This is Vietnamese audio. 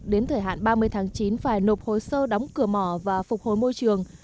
đến thời hạn ba mươi tháng chín phải nộp hồ sơ đóng cửa mỏ và phục hồi môi trường